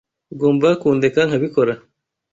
Ugomba kundeka nkabikora.